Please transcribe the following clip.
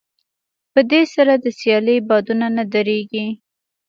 په دې سره د سيالۍ بادونه نه درېږي.